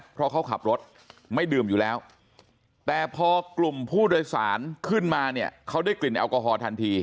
เพราะเขาขับรถไม่ดื่มอยู่แล้วแต่พอกลุ่มผู้โดยสารขึ้นมาเนี่ยเขาได้กลิ่นแอลกอฮอลทันที